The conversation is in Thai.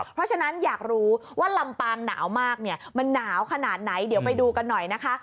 เพราะฉะนั้นอยากรู้ว่าลำปางหนาวมากเนี่ยมันหนาวขนาดไหนเดี๋ยวไปดูกันหน่อยนะคะ